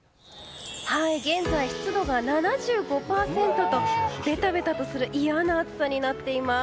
現在、湿度が７５％とベタベタとする嫌な暑さになっています。